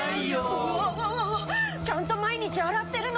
うわわわわちゃんと毎日洗ってるのに。